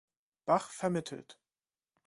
Bach vermittelt.